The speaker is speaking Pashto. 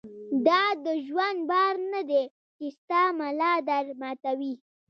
دا دژوند بار نۀ دی چې ستا ملا در ماتوي